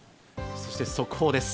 そして速報です。